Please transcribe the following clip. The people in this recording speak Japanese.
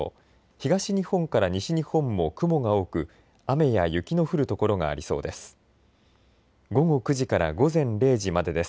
東日本から西日本も雲が多く雨や雪の降る所がありそうです。